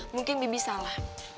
mungkin bibi salah